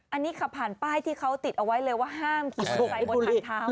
อันนี้ค่ะผ่านป้ายที่เขาติดเอาไว้เลยว่าห้ามกินไส้บนถังเท้า